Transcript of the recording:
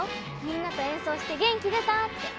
「みんなと演奏して元気出た」って。